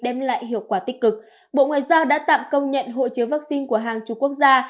đem lại hiệu quả tích cực bộ ngoại giao đã tạm công nhận hộ chiếu vaccine của hàng chục quốc gia